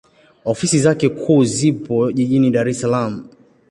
Ofisi zake kuu zipo Jijini Dar es Salaam.